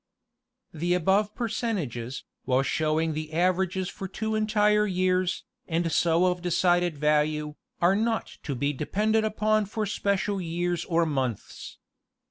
; The above percentages, while showing the averages for two entire years, and so of decided value, are not to be depended upon for special years or months.